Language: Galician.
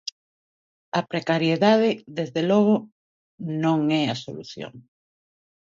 A precariedade, desde logo, non é a solución.